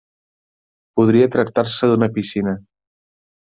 Podria tractar-se d'una piscina.